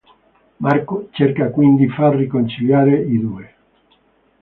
Marco cerca quindi far riconciliare i due.